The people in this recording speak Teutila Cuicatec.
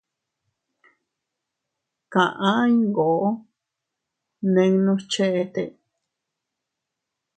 Kaʼa iyngoo ninnus cheʼete.